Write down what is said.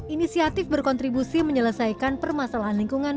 inisiatif berkontribusi menyelesaikan permasalahan lingkungan